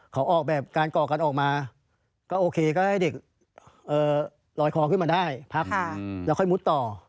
ก็โอเคก็ให้เด็กลอยคอขึ้นมาได้พักแล้วค่อยมุดต่อ